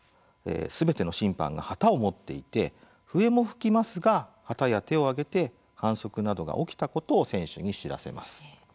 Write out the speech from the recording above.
すべての審判が旗を持っていて笛も吹きますが、旗や手を上げて反則などが起きたことを選手に知らせます。